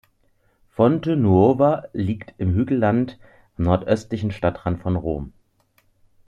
Fonte Nuova liegt im Hügelland am nordöstlichen Stadtrand von Rom.